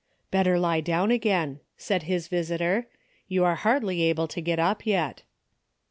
" Better lie down again," said his visitor. ''You are hardly able to get up yet."